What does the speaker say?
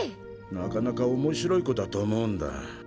なかなか面白い子だと思うんだ。